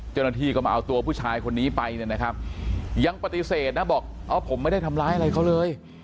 เจ้าหน้าที่ก็มาเอาตัวผู้ชายคนนี้ไปเนี่ยนะครับยังปฏิเสธนะบอกผมไม่ได้ทำร้ายอะไรเขาเลย